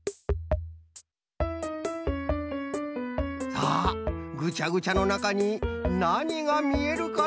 さあぐちゃぐちゃのなかになにがみえるかな？